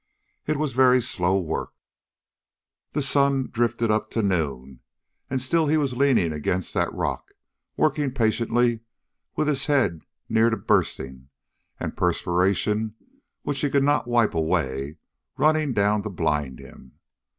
It was very slow work! The sun drifted up to noon, and still he was leaning against that rock, working patiently, with his head near to bursting, and perspiration, which he could not wipe away, running down to blind him.